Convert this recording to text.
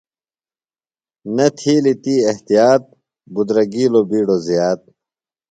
نہ تِھیلیۡ تی احتیاط، بِدرگِیلوۡ بِیڈوۡ زِیات